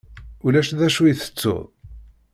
Ulac d acu i tettuḍ?